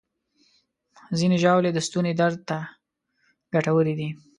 ځینې ژاولې د ستوني درد ته ګټورې دي.